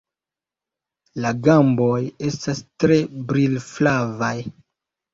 La gamboj estas tre brilflavaj.